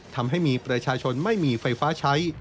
ทำให้มีประชาชนไม่มีไฟฟ้าใช้